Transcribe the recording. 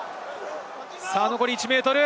残り１ｍ！